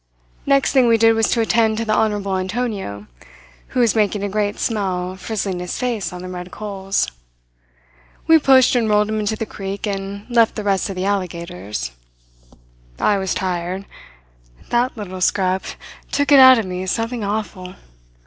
Next thing we did was to attend to the honourable Antonio, who was making a great smell frizzling his face on the red coals. We pushed and rolled him into the creek, and left the rest to the alligators. "I was tired. That little scrap took it out of me something awful.